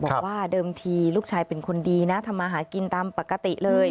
บอกว่าเดิมทีลูกชายเป็นคนดีนะทำมาหากินตามปกติเลย